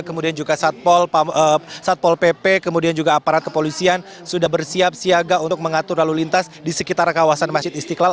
kemudian juga satpol pp kemudian juga aparat kepolisian sudah bersiap siaga untuk mengatur lalu lintas di sekitar kawasan masjid istiqlal